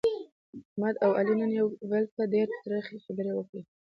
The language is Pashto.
احمد او علي نن یو بل ته ډېرې ترخې خبرې وکړلې.